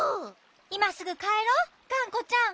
いますぐかえろうがんこちゃん。